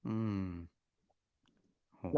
อืม